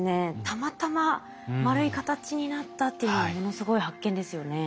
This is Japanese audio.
たまたま丸い形になったっていうのはものすごい発見ですよね。